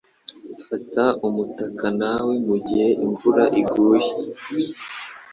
Fata umutaka nawe mugihe imvura iguye.